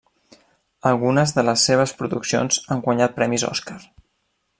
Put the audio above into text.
Algunes de les seves produccions han guanyat premis Òscar.